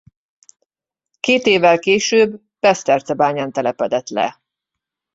Két évvel később Besztercebányán telepedett le.